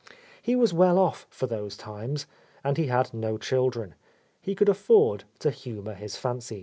He was well off for those times, and he had no children. He could afford to humour his fancies.